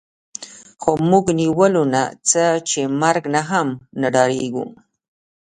خو موږ نیولو نه څه چې مرګ نه هم نه ډارېږو